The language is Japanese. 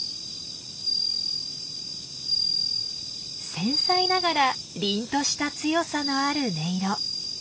繊細ながら凜とした強さのある音色。